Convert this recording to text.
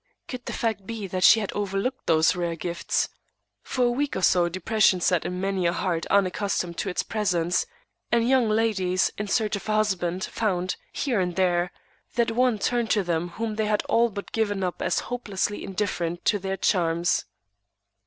Could the fact be that she had overlooked those rare gifts? For a week or so depression sat in many a heart unaccustomed to its presence; and young ladies, in search of a husband, found, here and there, that one turned to them whom they had all but given up as hopelessly indifferent to their charms.